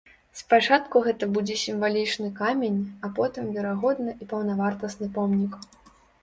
Спачатку гэта будзе сімвалічны камень, а потым, верагодна, і паўнавартасны помнік.